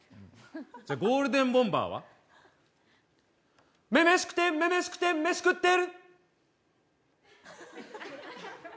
じゃあゴールデンボンバーは？女々しくて女々しくてメシ食ってる。